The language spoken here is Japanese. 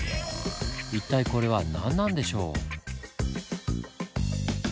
一体これは何なんでしょう？